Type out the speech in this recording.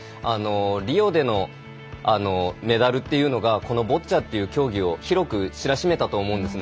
リオでのメダルというのがこのボッチャという競技を広く知らしめたと思うんですね。